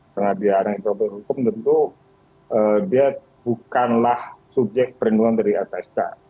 karena dia anak yang berpobrik dengan hukum tentu dia bukanlah subjek perlindungan dari lpsk